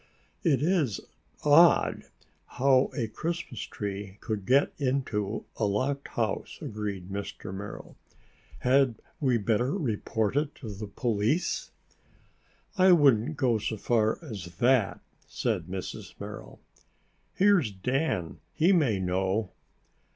"It is odd how a Christmas tree could get into a locked house," agreed Mr. Merrill. "Had we better report it to the police?" "I wouldn't go so far as that," said Mrs. Merrill. "Here's Dan. He may know."